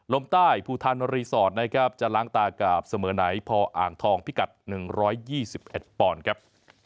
ลมใต้ภูทันรีสอร์ทนะครับจะล้างตากับเสมอไหนพออ่างทองพิกัด๑๒๑ปอนด์ครับ